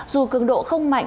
dù cường độ không mạnh